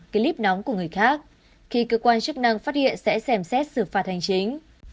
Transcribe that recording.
clip nóng của người khác khi cơ quan chức năng phát hiện sẽ xem xét xử phạt hành chính